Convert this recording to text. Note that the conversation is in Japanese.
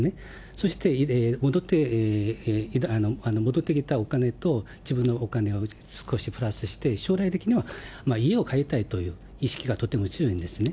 そして戻ってきたお金と自分のお金を少しプラスして、将来的には家を買いたいという意識がとても強いんですね。